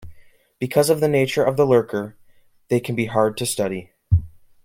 Because of the nature of the lurker, they can be hard to study.